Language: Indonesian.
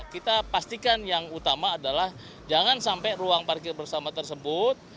kita pastikan yang utama adalah jangan sampai ruang parkir bersama tersebut